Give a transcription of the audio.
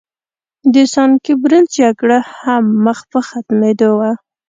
د سان ګبریل جګړه هم مخ په ختمېدو وه.